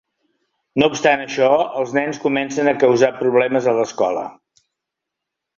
No obstant això, els nens comencen a causar problemes a l'escola.